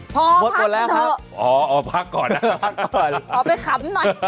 พอพักก่อนค่ะพักก่อนค่ะไปขำหน่อยแม่งทันครับอ๋อพักก่อนนะคะ